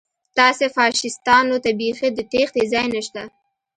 تاسې فاشیستانو ته بیخي د تېښتې ځای نشته